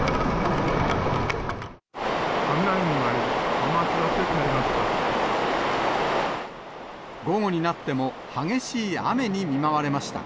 雷も鳴り、午後になっても、激しい雨に見舞われました。